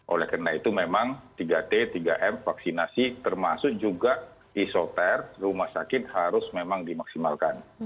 oleh karena itu memang tiga t tiga m vaksinasi termasuk juga isoter rumah sakit harus memang dimaksimalkan